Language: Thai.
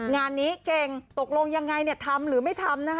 งานนี้เก่งตกลงยังไงทำหรือไม่ทำนะคะ